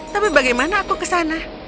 tapi bagaimana aku ke sana